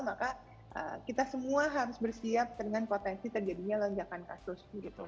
maka kita semua harus bersiap dengan potensi terjadinya lonjakan kasus